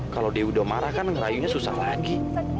kalau dia udah marah kan ngerayunya susah lagi